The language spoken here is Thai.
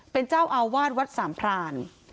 เป็นเจ้าเอาวาทวัศน์สัมภาร